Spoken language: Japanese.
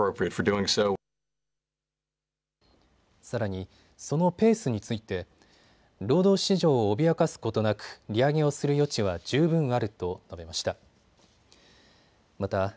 さらに、そのペースについて労働市場を脅かすことなく、利上げをする余地は十分あると述べました。